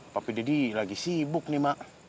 tapi deddy lagi sibuk nih mak